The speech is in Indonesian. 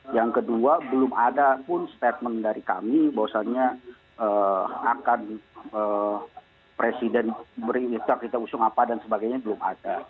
yang kedua belum ada pun statement dari kami bahwasannya akan presiden berinftar kita usung apa dan sebagainya belum ada